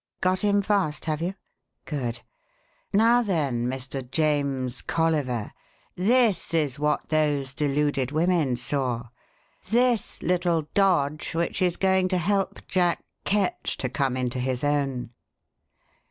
Got him fast, have you? Good! Now then, Mr. James Colliver, this is what those deluded women saw this little dodge, which is going to help Jack Ketch to come into his own."